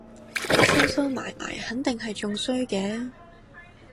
收收埋埋肯定係仲衰嘅